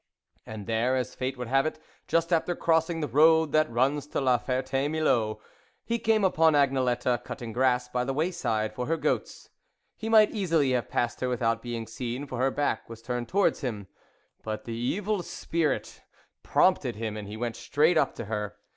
And there, as fate would have it, just after crossing the road that runs to La Ferte Milou, he came upon Agne lette, cutting grass by the way side for her goats. He might easily have passed her without being seen, for her back was turned towards him ; but the evil spirit prompted him, and he went straight up to her.